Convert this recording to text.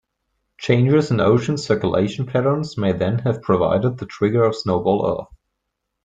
Changes in ocean circulation patterns may then have provided the trigger of snowball Earth.